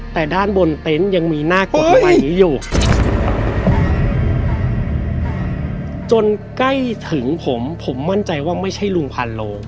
แต่ด้านบนเต็นต์ยังมีหน้ากฎหมายนี้อยู่จนใกล้ถึงผมผมมั่นใจว่าไม่ใช่ลุงพันโล